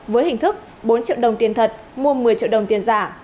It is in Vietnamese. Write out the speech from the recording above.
với hình thức bốn triệu đồng tiền thật mua một mươi triệu đồng tiền giả